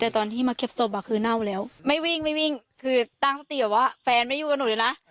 แต่ตอนที่มาเก็บศพคือเน่าแล้วไม่วิ่งไม่วิ่งคือตั้งสติว่าแฟนไม่อยู่กับหนูเลยนะ